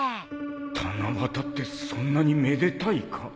七夕ってそんなにめでたいか？